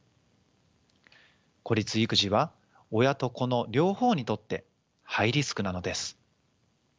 孤立育児は親と子の両方にとってハイリスクなのです。